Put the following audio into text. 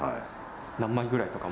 何枚ぐらいとか？